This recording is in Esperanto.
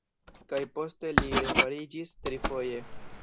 Kaj poste li refariĝis trifoje.